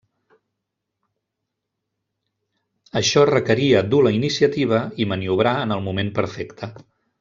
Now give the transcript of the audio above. Això requeria dur la iniciativa i maniobrar en el moment perfecte.